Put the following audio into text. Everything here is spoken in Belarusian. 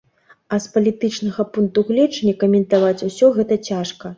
А з палітычнага пункту гледжання каментаваць усё гэта цяжка.